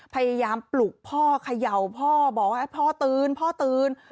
พยายามปลุกพ่อเขย่าพ่อบอกว่าให้พ่อตื่นพ่อตื่น